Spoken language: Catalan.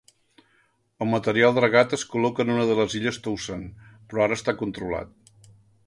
El material dragat es col·loca en una de les illes Thousand, però ara està controlat.